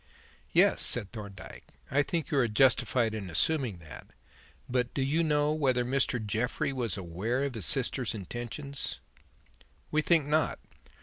"Yes," said Thorndyke; "I think you are justified in assuming that. But do you know whether Mr. Jeffrey was aware of his sister's intentions?" "We think not.